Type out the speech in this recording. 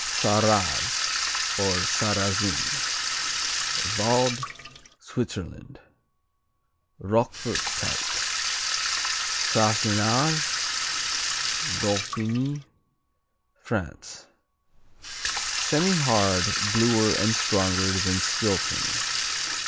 Sarraz or Sarrazin Vaud, Switzerland Roquefort type. Sassenage Dauphiny, France Semihard; bluer and stronger than Stilton.